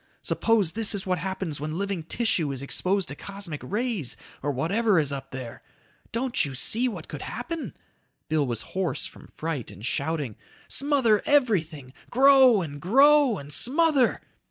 Suppose this is what happens when living tissue is exposed to cosmic rays or whatever is up there. Don't you see what could happen?" Bill was hoarse from fright and shouting. "Smother everything, grow and grow and smother